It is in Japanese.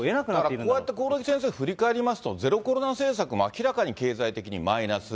だからこうやって興梠先生、振り返りますと、ゼロコロナ政策も明らかに経済的にマイナス。